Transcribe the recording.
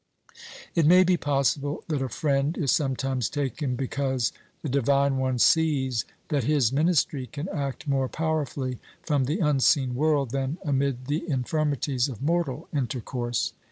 It may be possible that a friend is sometimes taken because the Divine One sees that his ministry can act more powerfully from the unseen world than amid the infirmities of mortal intercourse.